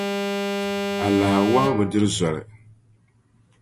Alaha wɔhu bi duri zoli.